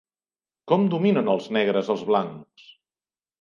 Com dominen els negres als blancs?